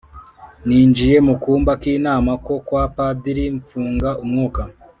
ninjiye mu kumba k’inama ko kwa Padiri mfunga umwuka